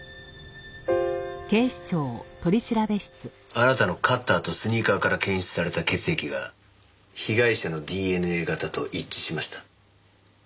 あなたのカッターとスニーカーから検出された血液が被害者のＤＮＡ型と一致しました。